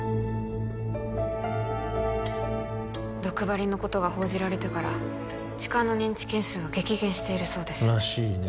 毒針のことが報じられてから痴漢の認知件数は激減しているそうですらしいね